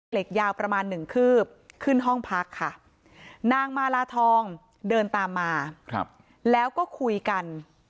เหล็กยาวประมาณหนึ่งคืบขึ้นห้องพักค่ะนางมาลาทองเดินตามมาแล้วก็คุยกัน